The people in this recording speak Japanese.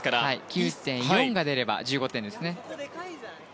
９．４が出れば１５点ですね。